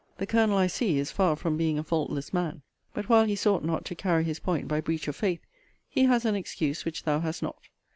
The Colonel, I see, is far from being a faultless man: but while he sought not to carry his point by breach of faith, he has an excuse which thou hast not.